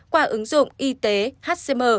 qua ứng dụng y tế hcm